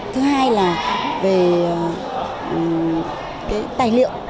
thứ hai là về cái tài liệu